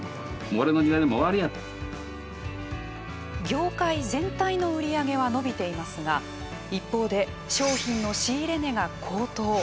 業界全体の売り上げは伸びていますが一方で、商品の仕入れ値が高騰。